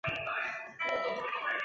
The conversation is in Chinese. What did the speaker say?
杨钾南为中国清朝武官官员。